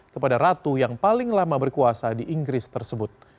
kepada ratu yang paling lama berkuasa di inggris tersebut